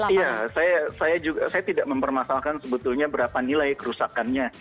iya saya tidak mempermasalahkan sebetulnya berapa nilai kerusakannya